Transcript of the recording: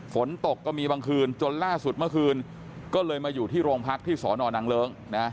ฝนตกก็มีบางคืนจนล่าสุดเมื่อคืนก็เลยมาอยู่ที่โรงพักที่สอนอนังเลิ้งนะ